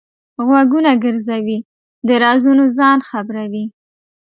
غوږونه ګرځوي؛ د رازونو ځان خبروي.